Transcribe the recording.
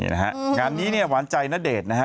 นะฮะงานนี้เนี่ยหวานใจณเดชน์นะฮะ